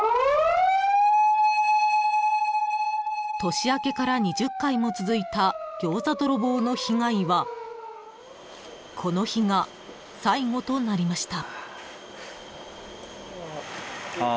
［年明けから２０回も続いた餃子ドロボーの被害はこの日が最後となりました］